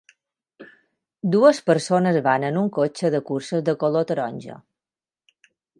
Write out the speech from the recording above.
Dues persones van en un cotxe de curses de color taronja.